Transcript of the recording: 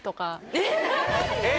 えっ？